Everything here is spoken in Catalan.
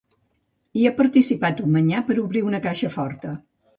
Hi ha participat un manyà per a obrir una caixa forta.